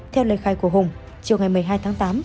theo lời khai của hùng chiều ngày một mươi hai tháng tám